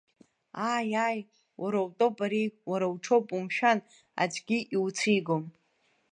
Ааи, ааи, уара утәоуп ари, уара уҽоуп, умшәан, аӡәгьы иуцәигом.